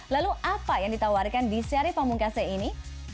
lalu apa yang ditawarkan di seri pamungkasnya ini